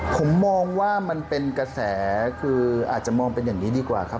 ผมมองว่ามันเป็นกระแสคืออาจจะมองเป็นอย่างนี้ดีกว่าครับ